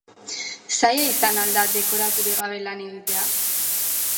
Zaila izan al da dekoraturik gabe lan egitea?